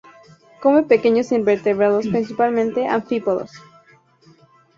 Come pequeños invertebrados principalmente anfípodos.